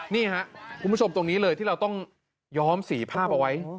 นี่ครับคุณผู้ชมตรงนี้เลยที่เราต้องย้อมสีภาพเอาไว้